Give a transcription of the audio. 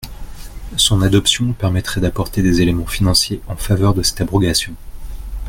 Son adoption permettrait d’apporter des éléments financiers en faveur de cette abrogation.